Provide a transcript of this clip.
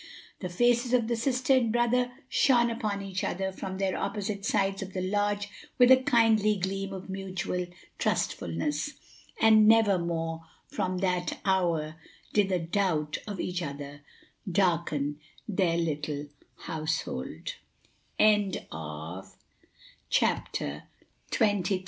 The faces of the sister and brother shone upon each other from their opposite sides of the lodge with a kindly gleam of mutual trustfulness; and never more from that hour did a doubt of each other darken their little househol